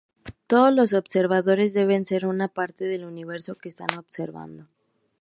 Todos los observadores deben ser una parte del universo que están observando.